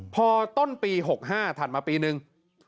พอต้นปี๖๕ถัดมาปีนึง